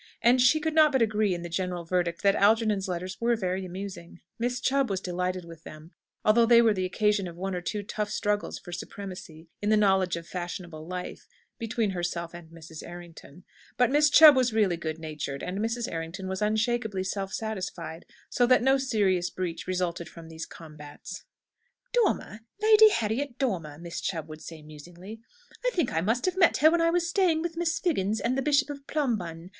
And she could not but agree in the general verdict, that Algernon's letters were very amusing. Miss Chubb was delighted with them; although they were the occasion of one or two tough struggles for supremacy in the knowledge of fashionable life between herself and Mrs. Errington. But Miss Chubb was really good natured, and Mrs. Errington was unshakeably self satisfied; so that no serious breach resulted from these combats. "Dormer Lady Harriet Dormer!" Miss Chubb would say, musingly. "I think I must have met her when I was staying with Mrs. Figgins and the Bishop of Plumbunn.